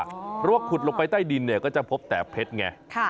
เพราะว่าขุดลงไปใต้ดินเนี่ยก็จะพบแต่เพชรไง